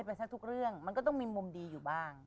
ไปซะทุกเรื่องมันก็ต้องมีมุมดีอยู่บ้าง